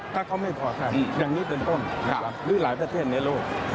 ถ้าเขาไม่พอทำอย่างนี้เป็นต้นหรือหลายประเทศในโลก